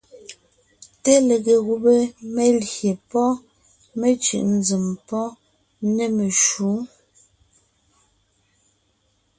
Té lege gùbé (melyè pɔ́ mecʉ̀ʼ nzèm) nê meshǔ.